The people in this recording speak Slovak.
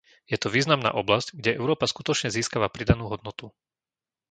Je to významná oblasť, kde Európa skutočne získava pridanú hodnotu.